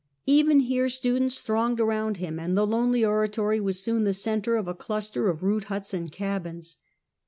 Even here students thronged around him, and the lonely oratory was soon the centre of a cluster of rude huts and cabins.